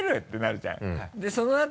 ってなるじゃんうん。